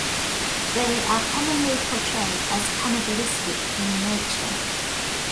They are commonly portrayed as cannibalistic in nature.